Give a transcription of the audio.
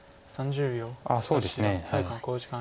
あっそうですね。